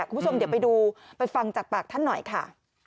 คุณผู้ชมเดี๋ยวไปดูไปฟังจากปากท่านหน่อยค่ะ